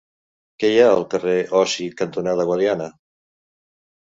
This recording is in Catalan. Què hi ha al carrer Osi cantonada Guadiana?